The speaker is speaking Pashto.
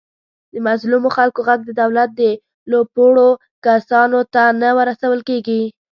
د مظلومو خلکو غږ د دولت لوپوړو کسانو ته نه ورسول کېږي.